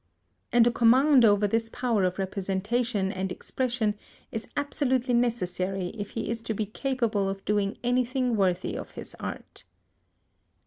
And a command over this power of representation and expression is absolutely necessary if he is to be capable of doing anything worthy of his art.